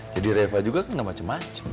jadi reva juga kan enggak macem macem